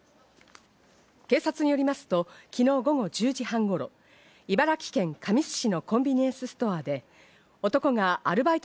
警察によりますと昨日午後１０時半頃、茨城県神栖市のコンビニエンスストアで男がアルバイト